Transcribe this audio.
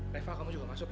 reva kamu juga masuk ya